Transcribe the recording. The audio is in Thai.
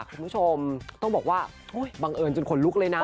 คุณผู้ชมต้องบอกว่าบังเอิญจนขนลุกเลยนะ